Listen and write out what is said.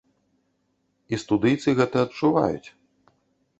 І студыйцы гэта адчуваюць.